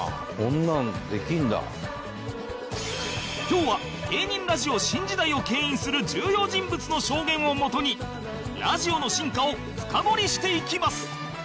今日は芸人ラジオ新時代を牽引する重要人物の証言をもとにラジオの進化を深掘りしていきます